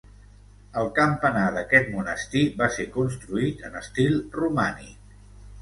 El campanar d'aquest monestir va ser construït en estil romànic.